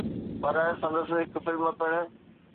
پر سندس هڪ فلم پڻ